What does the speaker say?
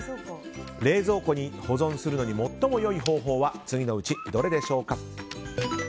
冷蔵庫に保存するのに最も良い方法は次のうちどれでしょうか？